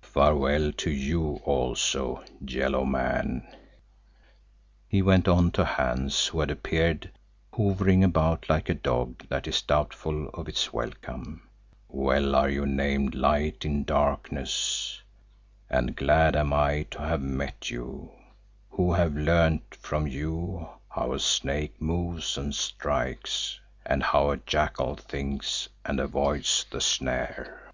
"Farewell to you also, Yellow Man," he went on to Hans, who had appeared, hovering about like a dog that is doubtful of its welcome; "well are you named Light in Darkness, and glad am I to have met you, who have learned from you how a snake moves and strikes, and how a jackal thinks and avoids the snare.